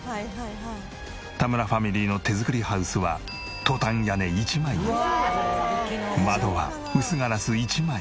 田村ファミリーの手作りハウスはトタン屋根１枚に窓は薄ガラス１枚。